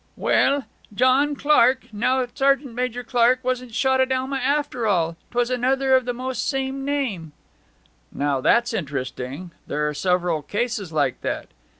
'Well John Clark now Sergeant Major Clark wasn't shot at Alma after all. 'Twas another of almost the same name.' 'Now that's interesting! There were several cases like that.'